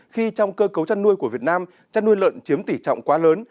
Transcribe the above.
khi trong cơ cấu chăn nuôi của việt nam chăn nuôi lợn chiếm tỷ trọng quá lớn